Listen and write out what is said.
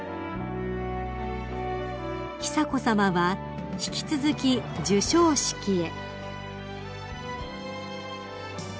［久子さまは引き続き授賞式へ］